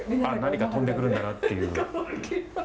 あっ何か飛んでくるんだなっていう。